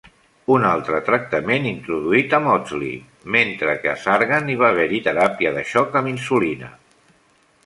Un altre tractament introduït a Maudsley, mentre que a Sargant, hi va haver-hi teràpia de xoc amb insulina.